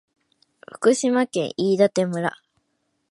福島県飯舘村